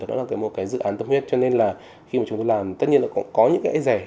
đó là một cái dự án tâm huyết cho nên là khi mà chúng tôi làm tất nhiên là cũng có những cái rẻ